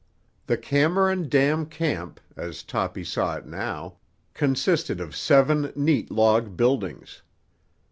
The Cameron Dam Camp, as Toppy saw it now, consisted of seven neat log buildings.